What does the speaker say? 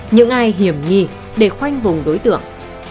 những ai hiểm nghi để khoanh vùng đối tượng